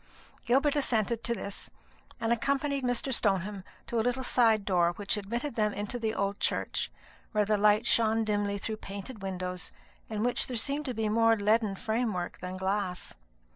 Gilbert assented to this, and accompanied Mr. Stoneham to a little side door which admitted them into the old church, where the light shone dimly through painted windows, in which there seemed more leaden framework than glass.